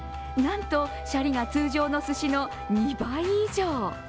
なんと、しゃりが通常のすしの２倍以上。